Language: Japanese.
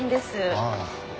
ああ。